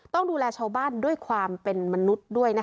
ต้องดูแลชาวบ้านด้วยความเป็นมนุษย์ด้วยนะคะ